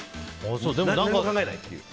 何も考えないっていう。